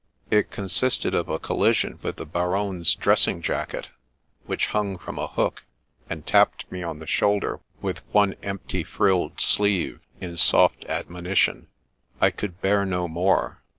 It consisted of a collision with the Baronne's dressing jacket, which hung from a hook, and tapped me on the shoulder with one empty frilled sleeve, in soft admonition. I could bear no more.